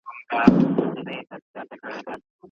قران د ژوند بشپړ قانون دی.